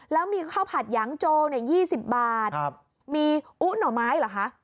แล้วมีข้าวผัดหยางโจ๒๐บาทมีอุ๊หน่อไม้เหรอคะ